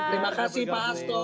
terima kasih pak asto